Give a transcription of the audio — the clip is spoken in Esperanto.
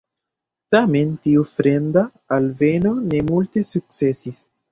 Tamen tiu "fremda" alveno ne multe sukcesis.